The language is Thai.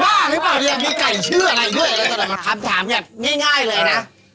บ้าหรือเปล่าเนี่ยมีไก่ชื่ออะไรด้วยอะไรตลอดคำถามเนี่ยง่ายเลยนะ